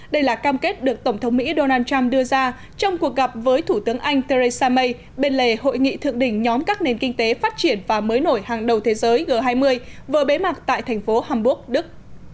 đây là cam kết được tổng thống mỹ donald trump đưa ra trong cuộc gặp với thủ tướng anh theresa may bên lề hội nghị thượng đỉnh nhóm các nền kinh tế phát triển và mới nổi hàng đầu thế giới g hai mươi vừa bế mạc tại thành phố hamburg đức